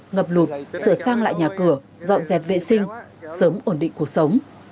ngập lụt sửa sang lại nhà cửa dọn dẹp vệ sinh sớm ổn định cuộc sống